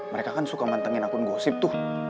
mereka kan suka mantengin akun gosip tuh